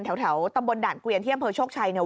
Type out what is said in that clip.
แถวตำบลด่านเกวียนที่อำเภอโชคชัยเนี่ย